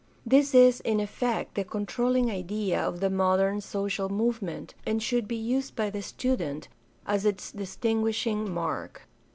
This is in effect the controlling idea of the modern social movement, and should be used by the student as its distin guishing mark.